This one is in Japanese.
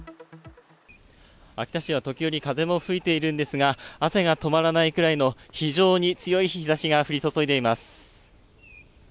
秋田市は時折、風も吹いているんですが、汗が止まらないくらいの非常に強い日ざしが降り注いでいます。